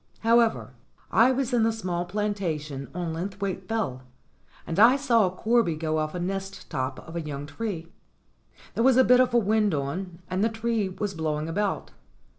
However, I was in the small planta tion on Linthwaite Fell, and I saw a corby go off a nest top of a young tree. There was a bit of a wind on, and the tree was blowing about.